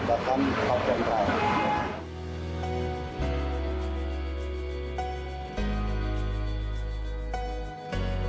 bahkan hal geng raya